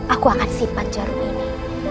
aku akan simpan jarum ini